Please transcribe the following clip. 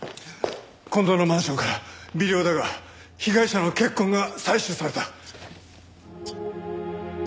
近藤のマンションから微量だが被害者の血痕が採取された。